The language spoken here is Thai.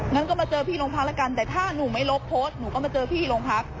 งั้นก็มาเจอพี่โรงพักแล้วกันแต่ถ้าหนูไม่ลบโพสต์หนูก็มาเจอพี่โรงพัก